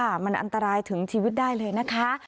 มันอันตรายถึงชีวิตได้เลยนะคะ